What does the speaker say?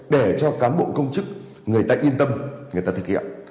để cho cán bộ công chức người ta yên tâm người ta thực hiện